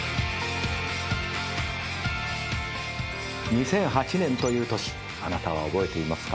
２００８年という年あなたは覚えていますか？